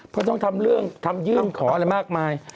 เพราะต้องทำเรื่องทำยื่นขออะไรมากมาย